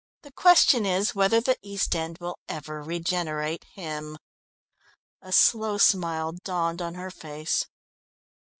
"The question is, whether the East End will ever regenerate him." A slow smile dawned on her face.